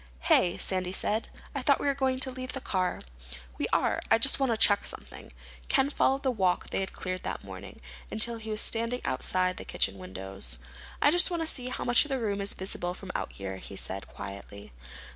"Hey," Sandy said, "I thought we were going to leave the car." "We are. I just want to check something." Ken followed the walk they had cleared that morning, until he was standing outside the kitchen windows. "I just want to see how much of the room is visible from out here," he said quietly.